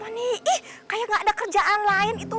nih ih kayak nggak ada kerjaan lain itu